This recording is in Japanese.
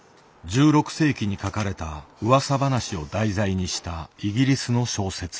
１６世紀に書かれたうわさ話を題材にしたイギリスの小説。